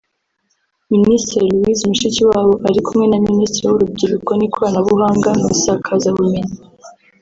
Minisitiri Louise Mushikiwabo ari kumwe na Minisitiri w’Urubyiruko n’Ikoranabuhanga mu isakazabumenyi